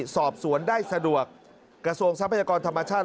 สอบสวนได้สะดวกกระทรวงทรัพยากรธรรมชาติ